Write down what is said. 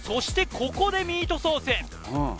ここでミートソース